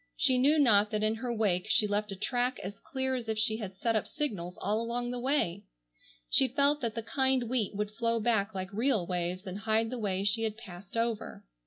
She knew not that in her wake she left a track as clear as if she had set up signals all along the way. She felt that the kind wheat would flow back like real waves and hide the way she had passed over.